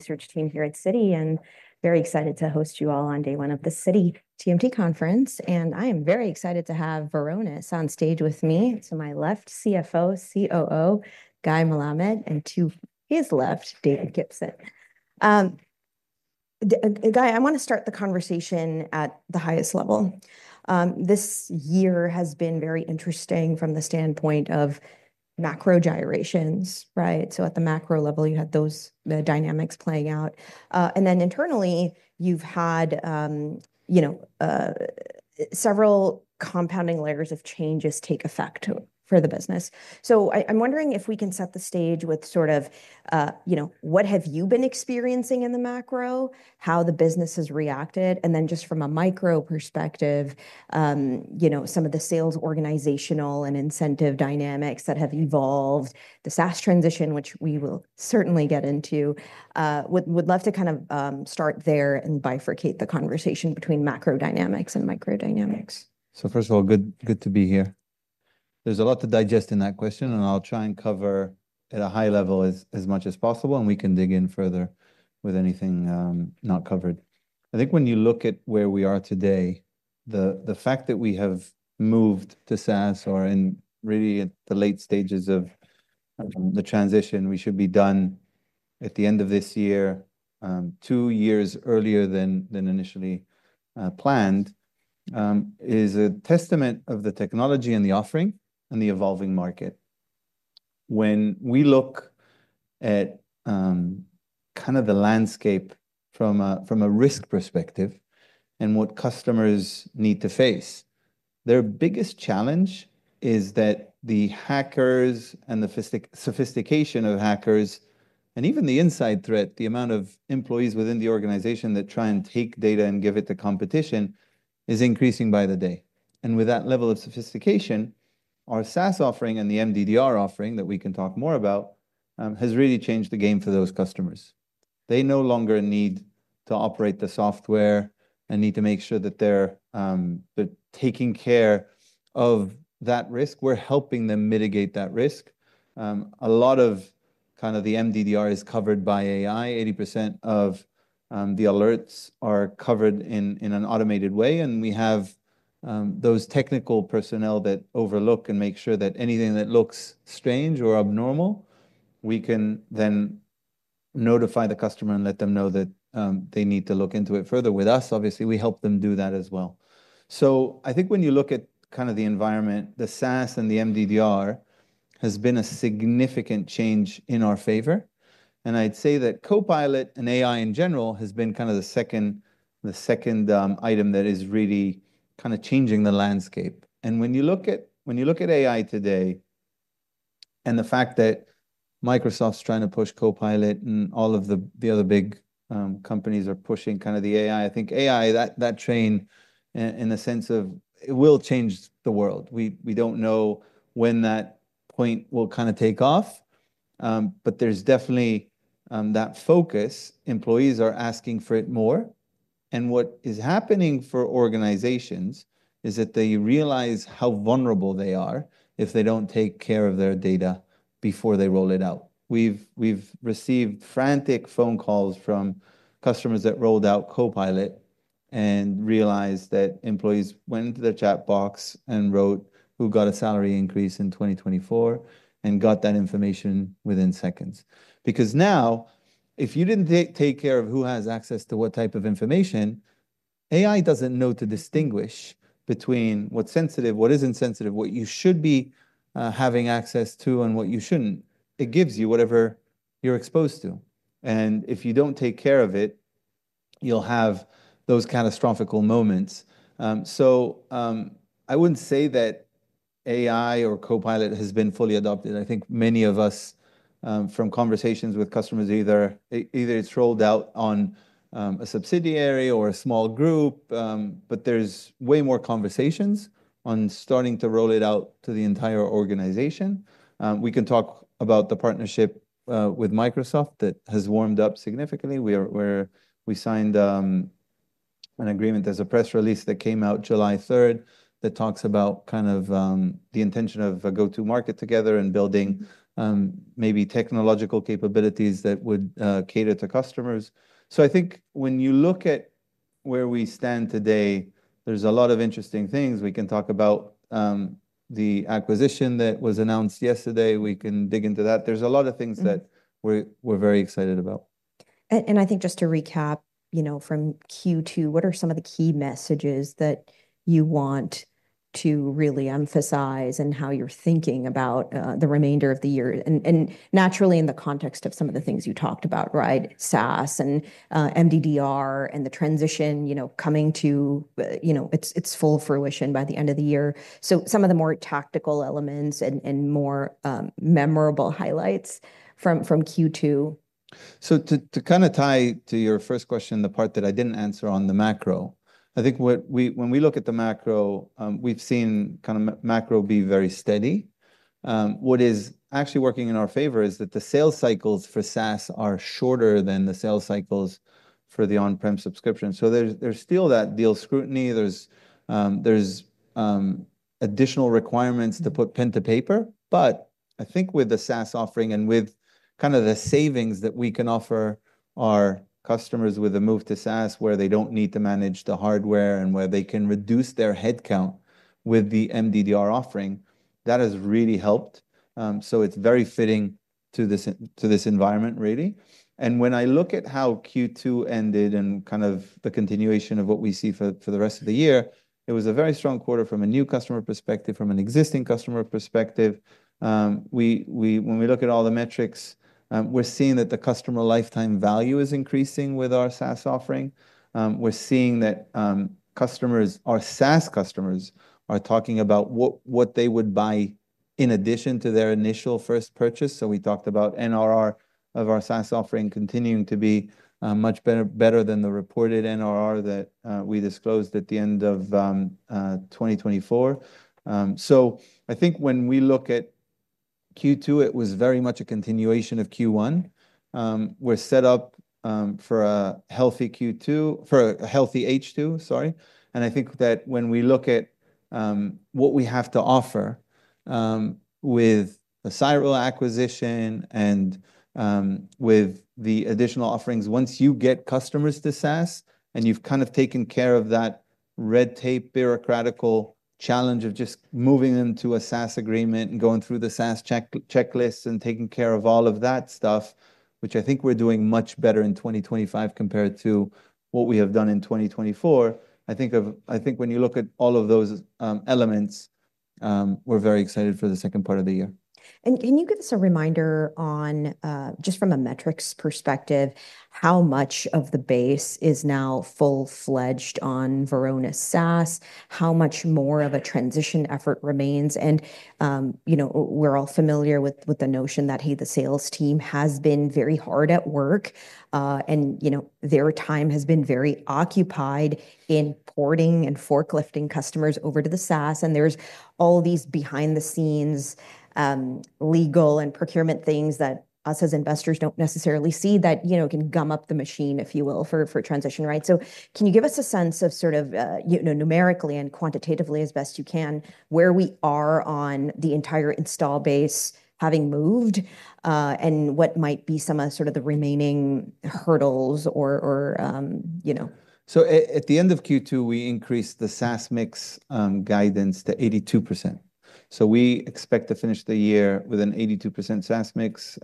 Research team here at Citi, and very excited to host you all on day one of the Citi TMT Conference. I am very excited to have Varonis on stage with me. To my left, CFO, COO Guy Melamed, and to his left, David Gibson. Guy, I want to start the conversation at the highest level. This year has been very interesting from the standpoint of macro gyrations, right? At the macro level, you had those dynamics playing out. Internally, you've had several compounding layers of changes take effect for the business. I'm wondering if we can set the stage with sort of what have you been experiencing in the macro, how the business has reacted, and then just from a micro perspective, some of the sales organizational and incentive dynamics that have evolved, the SaaS transition, which we will certainly get into. We'd love to kind of start there and bifurcate the conversation between macro dynamics and micro dynamics. First of all, good to be here. There's a lot to digest in that question, and I'll try and cover at a high level as much as possible. We can dig in further with anything not covered. I think when you look at where we are today, the fact that we have moved to SaaS or are really at the late stages of the transition, we should be done at the end of this year, two years earlier than initially planned, is a testament to the technology and the offering and the evolving market. When we look at the landscape from a risk perspective and what customers need to face, their biggest challenge is that the hackers and the sophistication of hackers, and even the inside threat, the amount of employees within the organization that try and take data and give it to competition is increasing by the day. With that level of sophistication, our SaaS offering and the Managed Data Detection and Response (MDDR) offering that we can talk more about has really changed the game for those customers. They no longer need to operate the software and need to make sure that they're taking care of that risk. We're helping them mitigate that risk. A lot of the MDDR is covered by AI. 80% of the alerts are covered in an automated way, and we have those technical personnel that overlook and make sure that anything that looks strange or abnormal, we can then notify the customer and let them know that they need to look into it further. With us, obviously, we help them do that as well. I think when you look at the environment, the SaaS and the MDDR has been a significant change in our favor. I'd say that Copilot and AI in general has been the second item that is really changing the landscape. When you look at AI today and the fact that Microsoft is trying to push Copilot and all of the other big companies are pushing the AI, I think AI, that train in the sense of it will change the world. We don't know when that point will take off, but there's definitely that focus. Employees are asking for it more. What is happening for organizations is that they realize how vulnerable they are if they don't take care of their data before they roll it out. We've received frantic phone calls from customers that rolled out Copilot and realized that employees went into the chat box and wrote who got a salary increase in 2024 and got that information within seconds. Because now, if you didn't take care of who has access to what type of information, AI doesn't know to distinguish between what's sensitive, what isn't sensitive, what you should be having access to, and what you shouldn't. It gives you whatever you're exposed to. If you don't take care of it, you'll have those catastrophic moments. I wouldn't say that AI or Microsoft Copilot has been fully adopted. I think many of us from conversations with customers, either it's rolled out on a subsidiary or a small group, but there are way more conversations on starting to roll it out to the entire organization. We can talk about the partnership with Microsoft that has warmed up significantly. We signed an agreement. There's a press release that came out July 3 that talks about the intention of a go-to-market together and building maybe technological capabilities that would cater to customers. I think when you look at where we stand today, there are a lot of interesting things. We can talk about the acquisition that was announced yesterday. We can dig into that. There are a lot of things that we're very excited about. To recap from Q2, what are some of the key messages that you want to really emphasize and how you're thinking about the remainder of the year? Naturally, in the context of some of the things you talked about, SaaS and MDDR and the transition coming to its full fruition by the end of the year, what are some of the more tactical elements and more memorable highlights from Q2? To kind of tie to your first question, the part that I didn't answer on the macro, I think when we look at the macro, we've seen macro be very steady. What is actually working in our favor is that the sales cycles for SaaS are shorter than the sales cycles for the on-prem subscription. There's still that deal scrutiny. There are additional requirements to put pen to paper. I think with the SaaS offering and with the savings that we can offer our customers with a move to SaaS, where they don't need to manage the hardware and where they can reduce their headcount with the MDDR offering, that has really helped. It is very fitting to this environment, really. When I look at how Q2 ended and the continuation of what we see for the rest of the year, it was a very strong quarter from a new customer perspective and from an existing customer perspective. When we look at all the metrics, we're seeing that the customer lifetime value is increasing with our SaaS offering. We're seeing that our SaaS customers are talking about what they would buy in addition to their initial first purchase. We talked about net retention rates (NRR) of our SaaS offering continuing to be much better than the reported NRR that we disclosed at the end of 2024. I think when we look at Q2, it was very much a continuation of Q1. We're set up for a healthy Q2, for a healthy H2, sorry. I think that when we look at what we have to offer with the PolyRise acquisition and with the additional offerings, once you get customers to SaaS and you've taken care of that red tape bureaucratical challenge of just moving them to a SaaS agreement and going through the SaaS checklist and taking care of all of that stuff, which I think we're doing much better in 2025 compared to what we have done in 2024, I think when you look at all of those elements, we're very excited for the second part of the year. Can you give us a reminder on just from a metrics perspective, how much of the base is now full-fledged on Varonis SaaS? How much more of a transition effort remains? We're all familiar with the notion that the sales team has been very hard at work and their time has been very occupied in porting and forklifting customers over to the SaaS. There are all these behind-the-scenes legal and procurement things that us as investors don't necessarily see that can gum up the machine, if you will, for transition, right? Can you give us a sense of sort of, numerically and quantitatively as best you can, where we are on the entire install base having moved and what might be some of the remaining hurdles? At the end of Q2, we increased the SaaS mix guidance to 82%. We expect to finish the year with an 82% SaaS mix.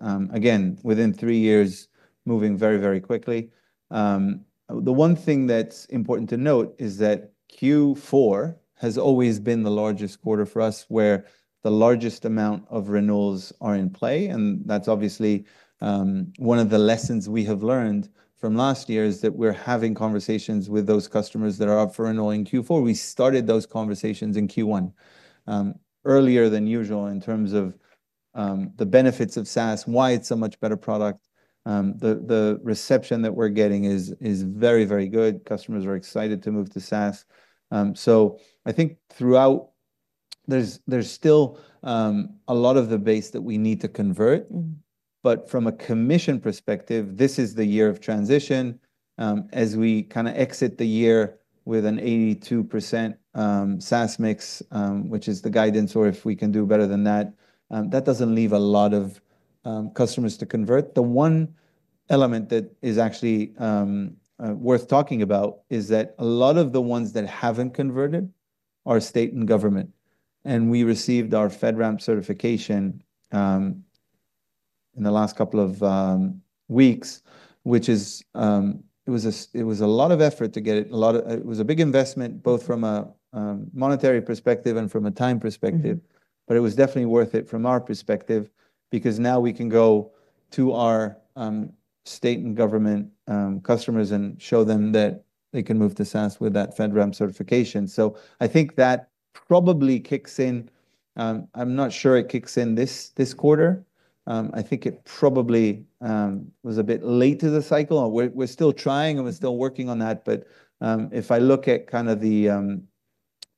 Within three years, moving very, very quickly. One thing that's important to note is that Q4 has always been the largest quarter for us, where the largest amount of renewals are in play. One of the lessons we have learned from last year is that we're having conversations with those customers that are up for renewal in Q4. We started those conversations in Q1, earlier than usual, in terms of the benefits of SaaS, why it's a much better product. The reception that we're getting is very, very good. Customers are excited to move to SaaS. Throughout, there's still a lot of the base that we need to convert. From a commission perspective, this is the year of transition. As we exit the year with an 82% SaaS mix, which is the guidance, or if we can do better than that, that doesn't leave a lot of customers to convert. One element that is actually worth talking about is that a lot of the ones that haven't converted are state and government. We received our FedRAMP certification in the last couple of weeks, which was a lot of effort to get. It was a big investment, both from a monetary perspective and from a time perspective. It was definitely worth it from our perspective because now we can go to our state and government customers and show them that they can move to SaaS with that FedRAMP certification. I think that probably kicks in. I'm not sure it kicks in this quarter. I think it probably was a bit late to the cycle. We're still trying and we're still working on that. If I look at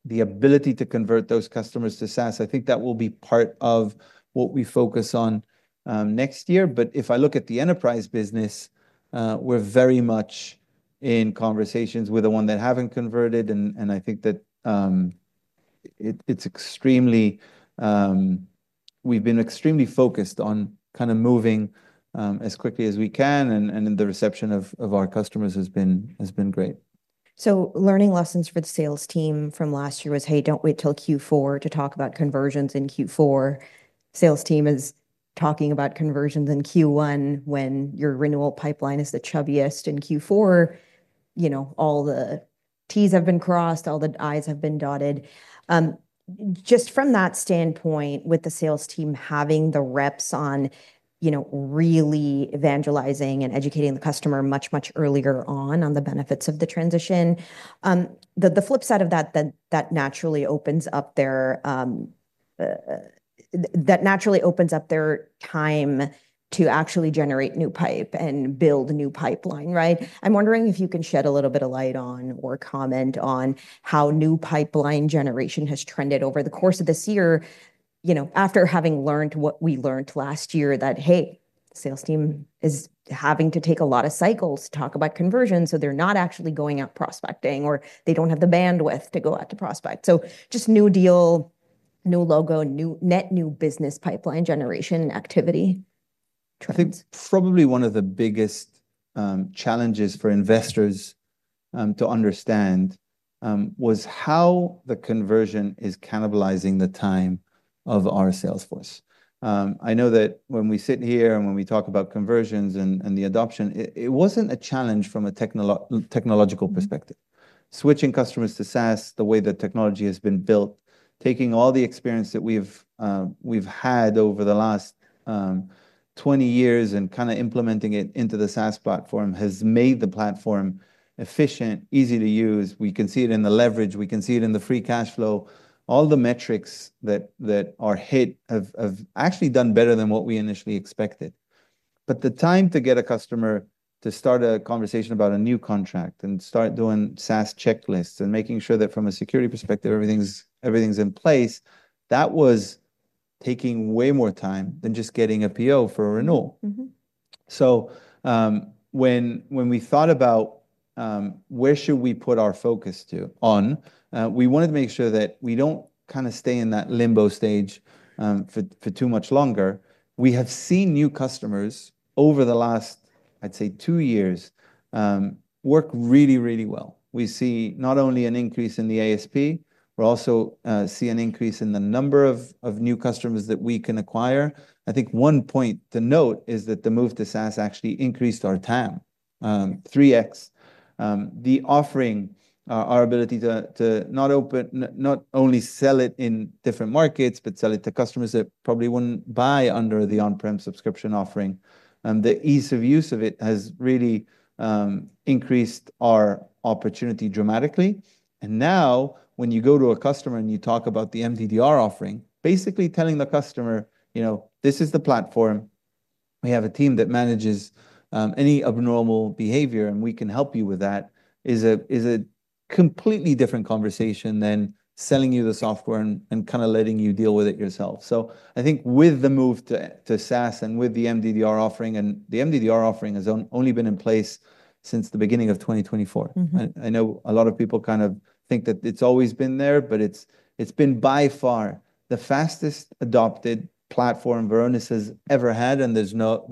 the ability to convert those customers to SaaS, I think that will be part of what we focus on next year. If I look at the enterprise business, we're very much in conversations with the ones that haven't converted. I think that we've been extremely focused on moving as quickly as we can. The reception of our customers has been great. Learning lessons for the sales team from last year was, hey, don't wait till Q4 to talk about conversions in Q4. Sales team is talking about conversions in Q1 when your renewal pipeline is the chubbiest in Q4. All the T's have been crossed, all the I's have been dotted. Just from that standpoint, with the sales team having the reps on, really evangelizing and educating the customer much, much earlier on the benefits of the transition. The flip side of that, that naturally opens up their time to actually generate new pipe and build new pipeline, right? I'm wondering if you can shed a little bit of light on or comment on how new pipeline generation has trended over the course of this year. After having learned what we learned last year that, hey, sales team is having to take a lot of cycles to talk about conversions. They're not actually going out prospecting or they don't have the bandwidth to go out to prospect. Just new deal, new logo, net new business pipeline generation activity. I think probably one of the biggest challenges for investors to understand was how the conversion is cannibalizing the time of our sales force. I know that when we sit here and when we talk about conversions and the adoption, it wasn't a challenge from a technological perspective. Switching customers to SaaS, the way that technology has been built, taking all the experience that we've had over the last 20 years and kind of implementing it into the SaaS platform has made the platform efficient, easy to use. We can see it in the leverage. We can see it in the free cash flow. All the metrics that are hit have actually done better than what we initially expected. The time to get a customer to start a conversation about a new contract and start doing SaaS checklists and making sure that from a security perspective, everything's in place, that was taking way more time than just getting a PO for a renewal. When we thought about where should we put our focus on, we wanted to make sure that we don't kind of stay in that limbo stage for too much longer. We have seen new customers over the last, I'd say, two years work really, really well. We see not only an increase in the ASP, but also see an increase in the number of new customers that we can acquire. I think one point to note is that the move to SaaS actually increased our TAM 3X. The offering, our ability to not only sell it in different markets, but sell it to customers that probably wouldn't buy under the on-prem subscription offering. The ease of use of it has really increased our opportunity dramatically. Now, when you go to a customer and you talk about the MDDR offering, basically telling the customer, you know, this is the platform. We have a team that manages any abnormal behavior, and we can help you with that is a completely different conversation than selling you the software and kind of letting you deal with it yourself. I think with the move to SaaS and with the MDDR offering, and the MDDR offering has only been in place since the beginning of 2024. I know a lot of people kind of think that it's always been there, but it's been by far the fastest adopted platform Varonis has ever had. There's no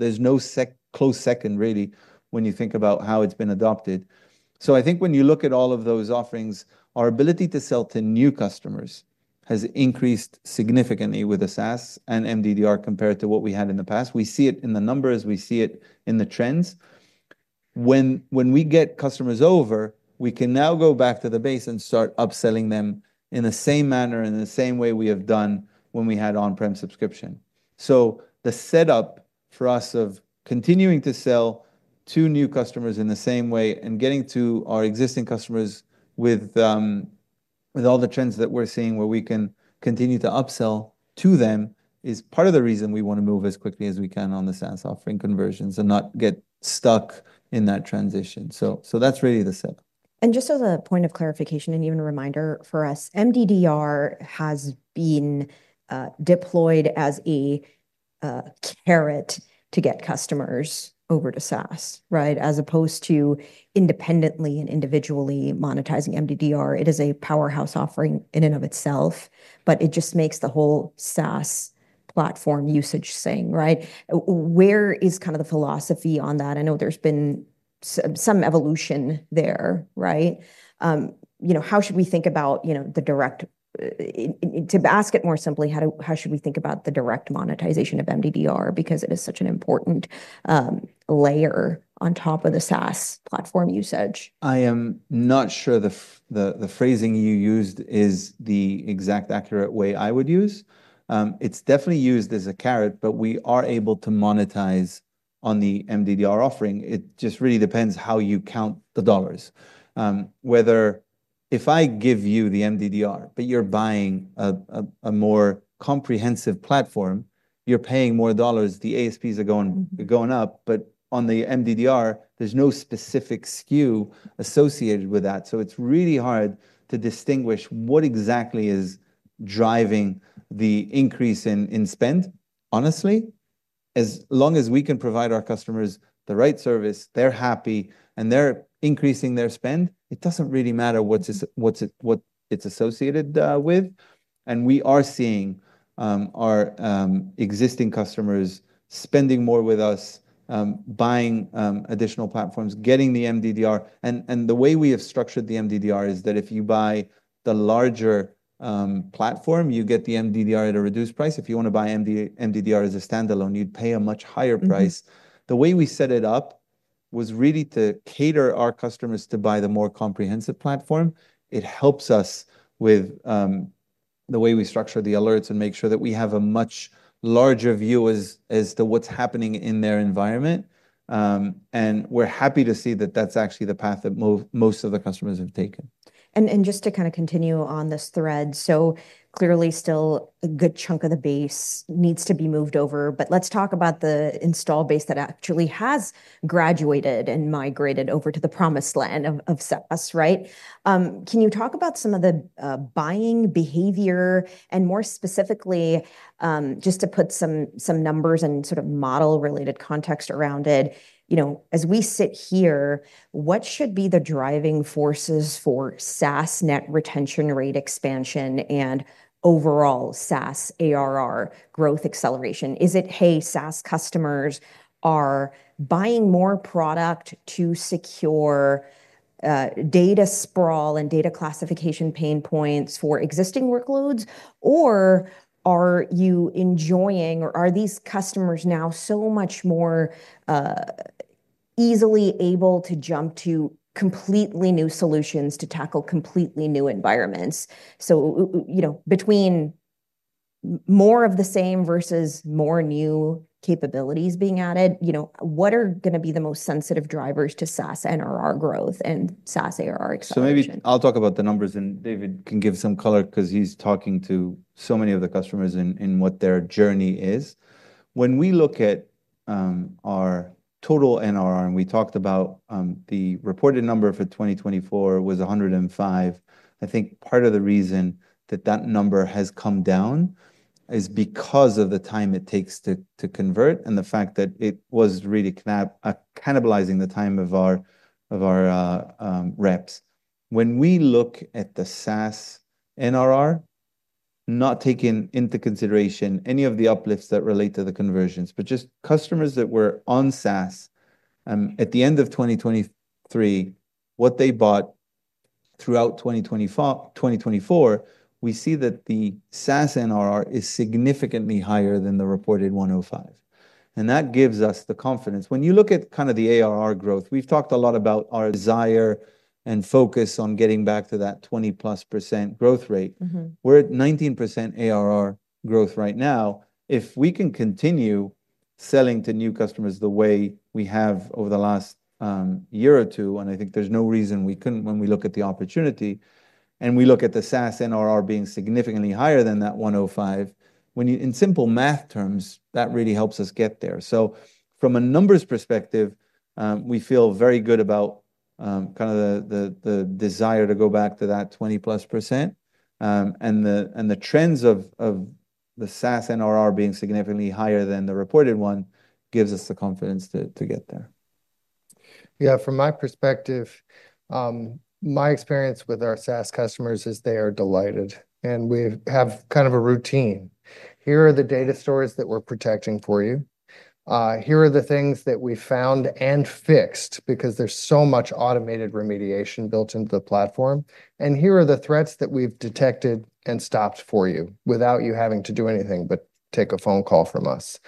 close second, really, when you think about how it's been adopted. I think when you look at all of those offerings, our ability to sell to new customers has increased significantly with the SaaS and MDDR compared to what we had in the past. We see it in the numbers. We see it in the trends. When we get customers over, we can now go back to the base and start upselling them in the same manner and in the same way we have done when we had on prem- subscription. The setup for us of continuing to sell to new customers in the same way and getting to our existing customers with all the trends that we're seeing where we can continue to upsell to them is part of the reason we want to move as quickly as we can on the SaaS offering conversions and not get stuck in that transition. That's really the setup. Just as a point of clarification and even a reminder for us, MDDR has been deployed as a carrot to get customers over to SaaS, right? As opposed to independently and individually monetizing MDDR, it is a powerhouse offering in and of itself, but it just makes the whole SaaS platform usage sing, right? Where is kind of the philosophy on that? I know there's been some evolution there, right? How should we think about, to ask it more simply, how should we think about the direct monetization of MDDR because it is such an important layer on top of the SaaS platform usage? I am not sure the phrasing you used is the exact accurate way I would use. It's definitely used as a carrot, but we are able to monetize on the MDDR offering. It just really depends how you count the dollars. Whether if I give you the MDDR, but you're buying a more comprehensive platform, you're paying more dollars. The ASPs are going up, but on the MDDR, there's no specific SKU associated with that. It's really hard to distinguish what exactly is driving the increase in spend. Honestly, as long as we can provide our customers the right service, they're happy, and they're increasing their spend, it doesn't really matter what it's associated with. We are seeing our existing customers spending more with us, buying additional platforms, getting the MDDR. The way we have structured the MDDR is that if you buy the larger platform, you get the MDDR at a reduced price. If you want to buy MDDR as a standalone, you'd pay a much higher price. The way we set it up was really to cater our customers to buy the more comprehensive platform. It helps us with the way we structure the alerts and make sure that we have a much larger view as to what's happening in their environment. We're happy to see that that's actually the path that most of the customers have taken. Just to kind of continue on this thread, clearly still a good chunk of the base needs to be moved over. Let's talk about the install base that actually has graduated and migrated over to the promised land of SaaS, right? Can you talk about some of the buying behavior and, more specifically, just to put some numbers and sort of model-related context around it? As we sit here, what should be the driving forces for SaaS net retention rate expansion and overall SaaS ARR growth acceleration? Is it, hey, SaaS customers are buying more product to secure data sprawl and data classification pain points for existing workloads? Are you enjoying, or are these customers now so much more easily able to jump to completely new solutions to tackle completely new environments? Between more of the same versus more new capabilities being added, what are going to be the most sensitive drivers to SaaS NRR growth and SaaS ARR expansion? Maybe I'll talk about the numbers and David can give some color because he's talking to so many of the customers in what their journey is. When we look at our total NRR and we talked about the reported number for 2024 was 105%. I think part of the reason that that number has come down is because of the time it takes to convert and the fact that it was really cannibalizing the time of our reps. When we look at the SaaS NRR, not taking into consideration any of the uplifts that relate to the conversions, but just customers that were on SaaS at the end of 2023, what they bought throughout 2024, we see that the SaaS NRR is significantly higher than the reported 105%. That gives us the confidence. When you look at kind of the ARR growth, we've talked a lot about our desire and focus on getting back to that 20+% growth rate. We're at 19% ARR growth right now. If we can continue selling to new customers the way we have over the last year or two, and I think there's no reason we couldn't when we look at the opportunity and we look at the SaaS NRR being significantly higher than that 105%. In simple math terms, that really helps us get there. From a numbers perspective, we feel very good about kind of the desire to go back to that 20+%. The trends of the SaaS NRR being significantly higher than the reported one gives us the confidence to get there. Yeah, from my perspective, my experience with our SaaS customers is they are delighted. We have kind of a routine. Here are the data stories that we're protecting for you. Here are the things that we found and fixed because there's so much automated remediation built into the platform. Here are the threats that we've detected and stopped for you without you having to do anything but take a phone call from us.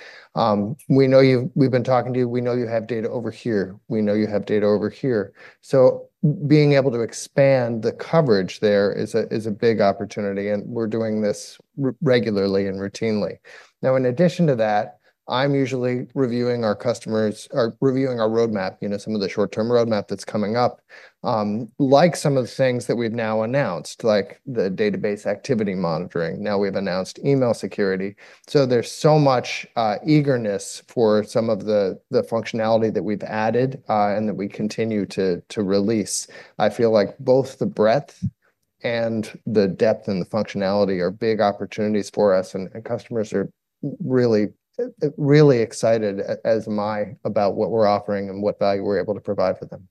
We know you've been talking to you. We know you have data over here. We know you have data over here. Being able to expand the coverage there is a big opportunity. We're doing this regularly and routinely. In addition to that, I'm usually reviewing our customers or reviewing our roadmap, you know, some of the short-term roadmap that's coming up. Like some of the things that we've now announced, like the database activity monitoring. Now we've announced email security. There's so much eagerness for some of the functionality that we've added and that we continue to release. I feel like both the breadth and the depth and the functionality are big opportunities for us. Customers are really, really excited, as am I, about what we're offering and what value we're able to provide for them.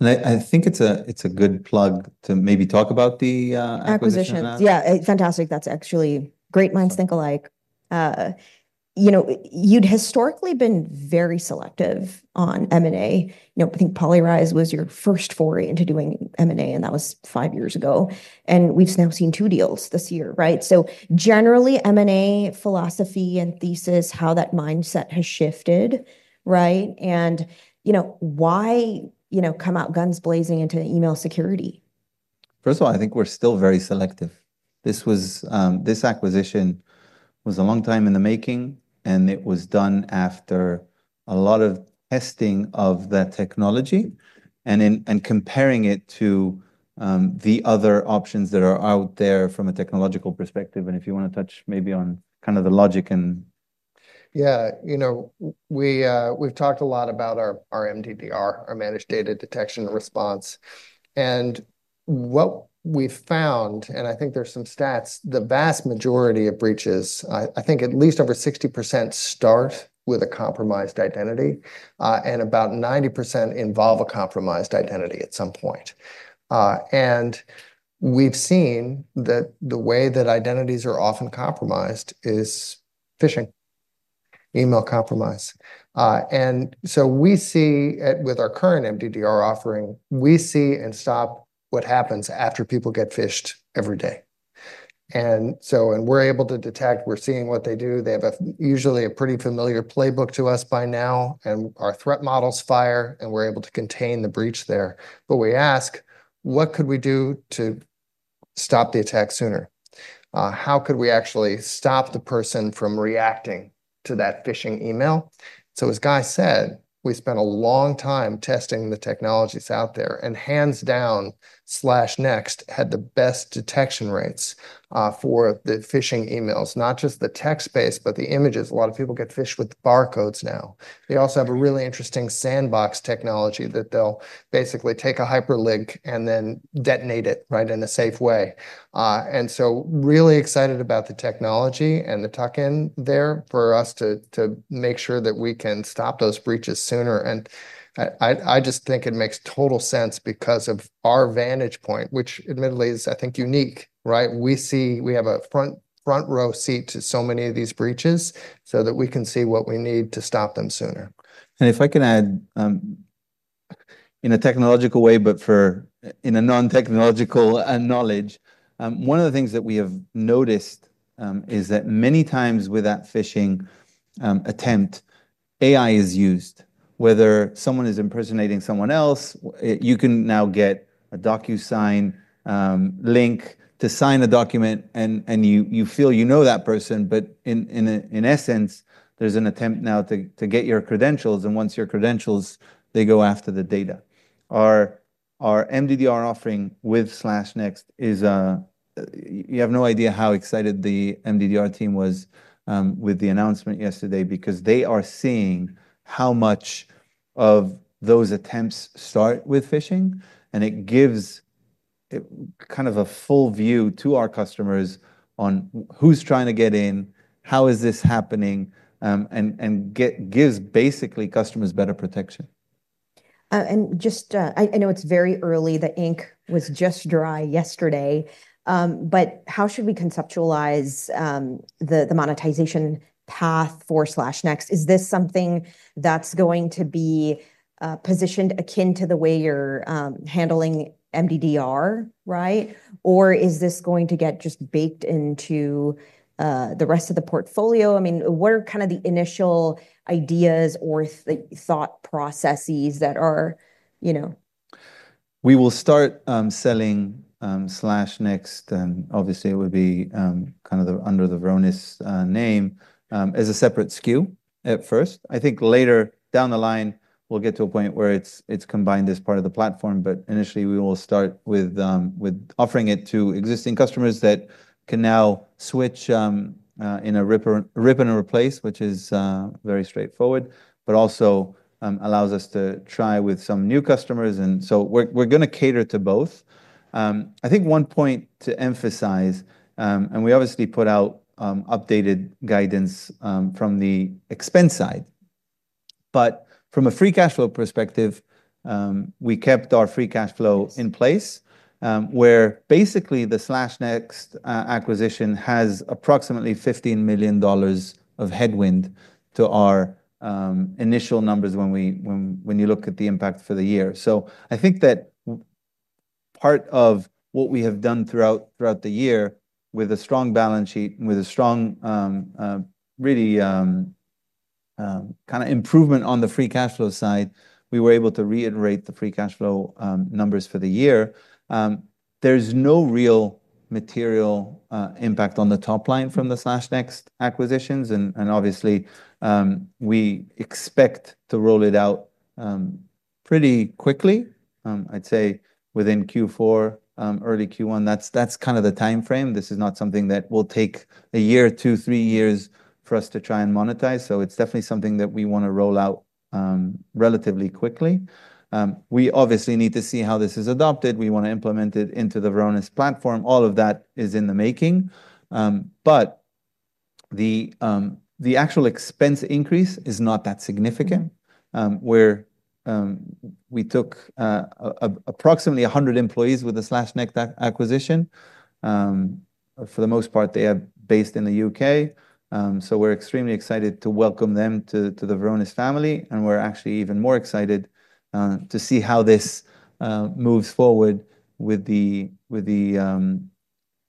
I think it's a good plug to maybe talk about the acquisition. Yeah, fantastic. That's actually great minds think alike. You'd historically been very selective on M&A. I think PolyRise was your first foray into doing M&A, and that was five years ago. We've now seen two deals this year, right? Generally, M&A philosophy and thesis, how that mindset has shifted, right? Why come out guns blazing into email security? First of all, I think we're still very selective. This acquisition was a long time in the making, and it was done after a lot of testing of that technology and comparing it to the other options that are out there from a technological perspective. If you want to touch maybe on kind of the logic and. Yeah, you know, we've talked a lot about our MDDR, our Managed Data Detection and Response. What we found, and I think there's some stats, the vast majority of breaches, I think at least over 60% start with a compromised identity, and about 90% involve a compromised identity at some point. We've seen that the way that identities are often compromised is phishing, email compromise. We see with our current MDDR offering, we see and stop what happens after people get phished every day. We're able to detect, we're seeing what they do. They have usually a pretty familiar playbook to us by now, and our threat models fire, and we're able to contain the breach there. We ask, what could we do to stop the attack sooner? How could we actually stop the person from reacting to that phishing email? As Guy said, we spent a long time testing the technologies out there, and hands down, SlashNext had the best detection rates for the phishing emails, not just the text space, but the images. A lot of people get phished with barcodes now. They also have a really interesting sandbox technology that they'll basically take a hyperlink and then detonate it, right, in a safe way. Really excited about the technology and the tuck-in there for us to make sure that we can stop those breaches sooner. I just think it makes total sense because of our vantage point, which admittedly is, I think, unique, right? We see we have a front row seat to so many of these breaches so that we can see what we need to stop them sooner. If I can add, in a technological way, but for in a non-technological knowledge, one of the things that we have noticed is that many times with that phishing attempt, AI is used. Whether someone is impersonating someone else, you can now get a DocuSign link to sign a document, and you feel you know that person, but in essence, there's an attempt now to get your credentials, and once your credentials, they go after the data. Our MDDR offering with SlashNext is, you have no idea how excited the MDDR team was with the announcement yesterday because they are seeing how much of those attempts start with phishing, and it gives kind of a full view to our customers on who's trying to get in, how is this happening, and gives basically customers better protection. I know it's very early. The ink was just dry yesterday. How should we conceptualize the monetization path for SlashNext? Is this something that's going to be positioned akin to the way you're handling MDDR, right? Or is this going to get just baked into the rest of the portfolio? What are the initial ideas or thought processes? We will start selling SlashNext, and obviously it would be kind of under the Varonis name as a separate SKU at first. I think later down the line, we'll get to a point where it's combined as part of the platform. Initially, we will start with offering it to existing customers that can now switch in a rip and a replace, which is very straightforward, but also allows us to try with some new customers. We are going to cater to both. I think one point to emphasize, and we obviously put out updated guidance from the expense side. From a free cash flow perspective, we kept our free cash flow in place, where basically the SlashNext acquisition has approximately $15 million of headwind to our initial numbers when you look at the impact for the year. I think that part of what we have done throughout the year with a strong balance sheet, with a strong really kind of improvement on the free cash flow side, we were able to reiterate the free cash flow numbers for the year. There is no real material impact on the top line from the SlashNext acquisitions. We expect to roll it out pretty quickly. I'd say within Q4, early Q1, that's kind of the timeframe. This is not something that will take a year, two, three years for us to try and monetize. It is definitely something that we want to roll out relatively quickly. We obviously need to see how this is adopted. We want to implement it into the Varonis platform. All of that is in the making. The actual expense increase is not that significant. We took approximately 100 employees with the SlashNext acquisition. For the most part, they are based in the U.K.. We are extremely excited to welcome them to the Varonis family. We are actually even more excited to see how this moves forward with the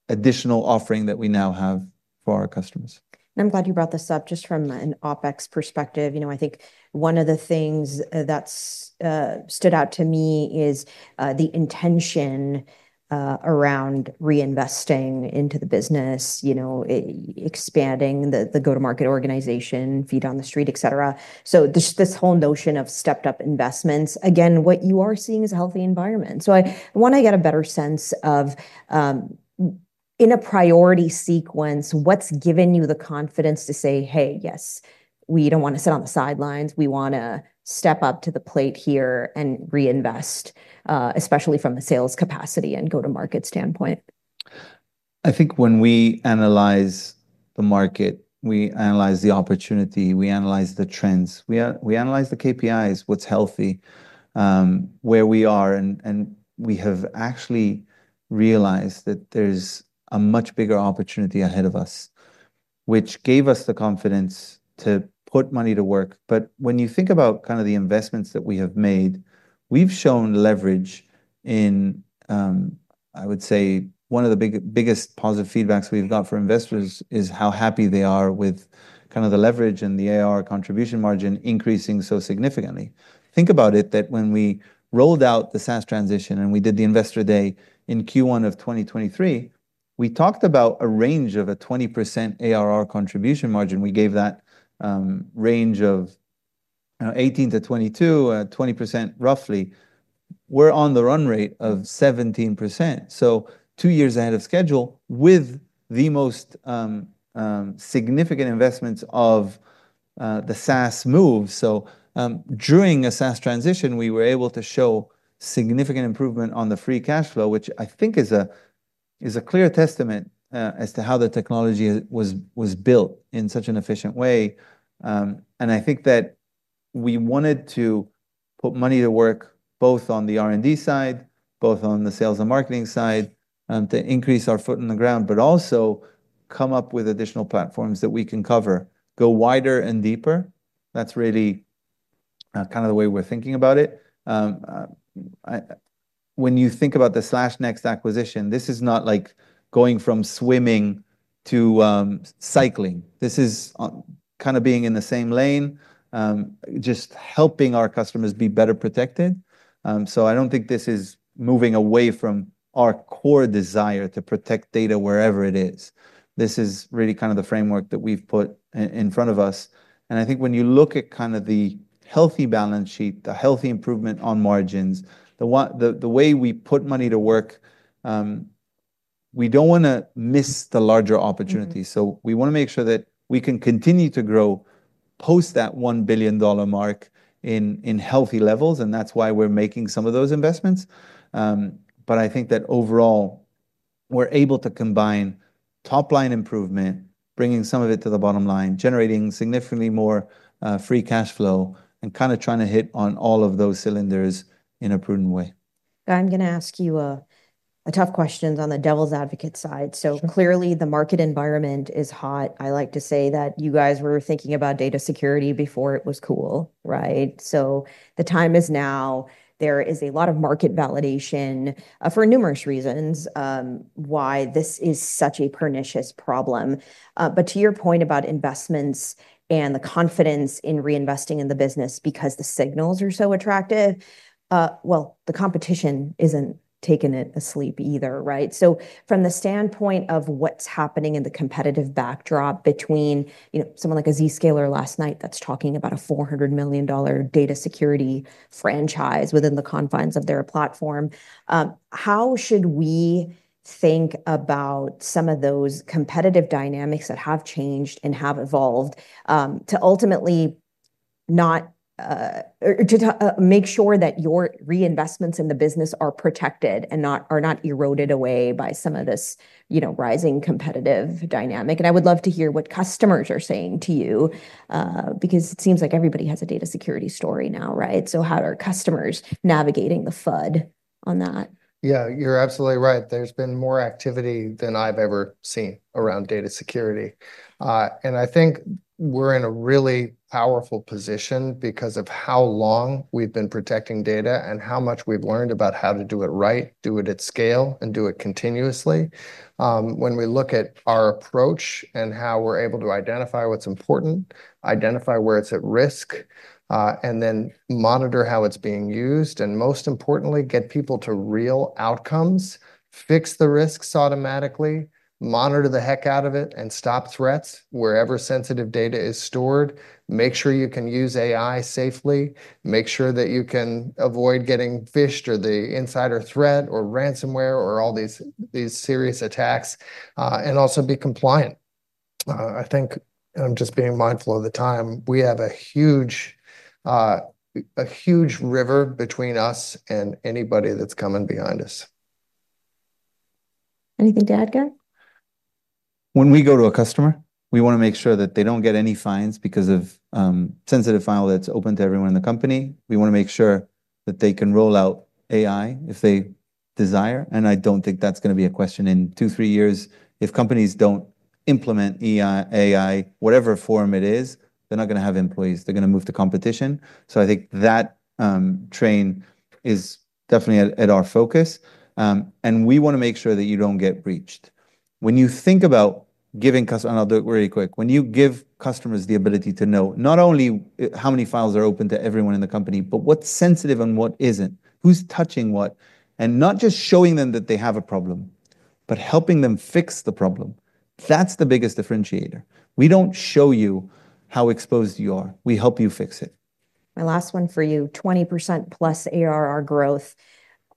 additional offering that we now have for our customers. I'm glad you brought this up just from an OpEx perspective. I think one of the things that stood out to me is the intention around reinvesting into the business, expanding the go-to-market organization, feet on the street, et cetera. This whole notion of stepped-up investments. What you are seeing is a healthy environment. I want to get a better sense of, in a priority sequence, what's given you the confidence to say, hey, yes, we don't want to sit on the sidelines. We want to step up to the plate here and reinvest, especially from a sales capacity and go-to-market standpoint. I think when we analyze the market, we analyze the opportunity, we analyze the trends, we analyze the KPIs, what's healthy, where we are, and we have actually realized that there's a much bigger opportunity ahead of us, which gave us the confidence to put money to work. When you think about kind of the investments that we have made, we've shown leverage in, I would say, one of the biggest positive feedbacks we've got from investors is how happy they are with kind of the leverage and the ARR contribution margin increasing so significantly. Think about it, that when we rolled out the SaaS transition and we did the investor day in Q1 of 2023, we talked about a range of a 20% ARR contribution margin. We gave that range of 18%- 22%, 20% roughly. We're on the run rate of 17%. Two years ahead of schedule with the most significant investments of the SaaS move. During a SaaS transition, we were able to show significant improvement on the free cash flow, which I think is a clear testament as to how the technology was built in such an efficient way. I think that we wanted to put money to work both on the R&D side, both on the sales and marketing side to increase our foot in the ground, but also come up with additional platforms that we can cover, go wider and deeper. That's really kind of the way we're thinking about it. When you think about the SlashNext acquisition, this is not like going from swimming to cycling. This is kind of being in the same lane, just helping our customers be better protected. I don't think this is moving away from our core desire to protect data wherever it is. This is really kind of the framework that we've put in front of us. I think when you look at kind of the healthy balance sheet, the healthy improvement on margins, the way we put money to work, we don't want to miss the larger opportunities. We want to make sure that we can continue to grow post that $1 billion mark in healthy levels. That's why we're making some of those investments. I think that overall, we're able to combine top line improvement, bringing some of it to the bottom line, generating significantly more free cash flow, and kind of trying to hit on all of those cylinders in a prudent way. I'm going to ask you a tough question on the devil's advocate side. Clearly, the market environment is hot. I like to say that you guys were thinking about data security before it was cool, right? The time is now. There is a lot of market validation for numerous reasons why this is such a pernicious problem. To your point about investments and the confidence in reinvesting in the business because the signals are so attractive, the competition isn't taking it asleep either, right? From the standpoint of what's happening in the competitive backdrop between, you know, someone like a Zscaler last night that's talking about a $400 million data security franchise within the confines of their platform, how should we think about some of those competitive dynamics that have changed and have evolved to ultimately not, to make sure that your reinvestments in the business are protected and not eroded away by some of this, you know, rising competitive dynamic? I would love to hear what customers are saying to you because it seems like everybody has a data security story now, right? How are customers navigating the FUD on that? Yeah, you're absolutely right. There's been more activity than I've ever seen around data security. I think we're in a really powerful position because of how long we've been protecting data and how much we've learned about how to do it right, do it at scale, and do it continuously. When we look at our approach and how we're able to identify what's important, identify where it's at risk, and then monitor how it's being used, and most importantly, get people to real outcomes, fix the risks automatically, monitor the heck out of it, and stop threats wherever sensitive data is stored. Make sure you can use AI safely. Make sure that you can avoid getting phished or the insider threat or ransomware or all these serious attacks, and also be compliant. I'm just being mindful of the time. We have a huge, a huge river between us and anybody that's coming behind us. Anything to add, Guy? When we go to a customer, we want to make sure that they don't get any fines because of a sensitive file that's open to everyone in the company. We want to make sure that they can roll out AI if they desire. I don't think that's going to be a question in two, three years. If companies don't implement AI, whatever form it is, they're not going to have employees. They're going to move to competition. I think that train is definitely at our focus. We want to make sure that you don't get breached. When you think about giving customers, I'll do it very quick. When you give customers the ability to know not only how many files are open to everyone in the company, but what's sensitive and what isn't, who's touching what, and not just showing them that they have a problem, but helping them fix the problem, that's the biggest differentiator. We don't show you how exposed you are. We help you fix it. My last one for you, 20%+ ARR growth.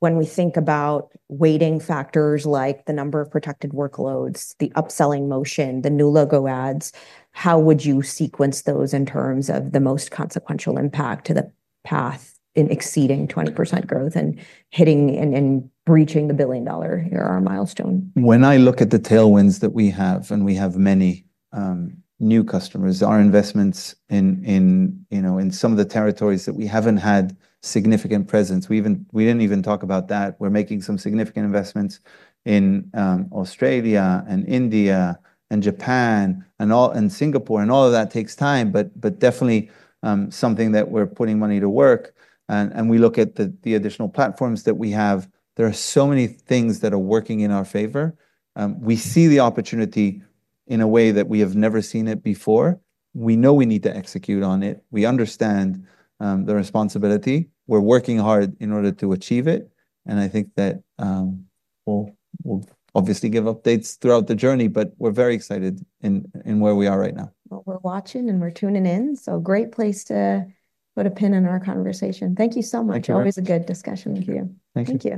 When we think about weighting factors like the number of protected workloads, the upselling motion, the new logo ads, how would you sequence those in terms of the most consequential impact to the path in exceeding 20% growth and hitting and breaching the billion dollar ARR milestone? When I look at the tailwinds that we have, and we have many new customers, our investments in some of the territories that we haven't had significant presence, we didn't even talk about that. We're making some significant investments in Australia and India and Japan and Singapore, and all of that takes time, but definitely something that we're putting money to work. We look at the additional platforms that we have. There are so many things that are working in our favor. We see the opportunity in a way that we have never seen it before. We know we need to execute on it. We understand the responsibility. We're working hard in order to achieve it. I think that we'll obviously give updates throughout the journey, but we're very excited in where we are right now. We're watching and we're tuning in. Great place to put a pin in our conversation. Thank you so much. Always a good discussion with you. Thank you.